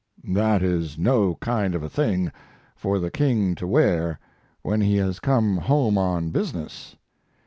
That is no kind of a thing for the King to wear when he has come home on business.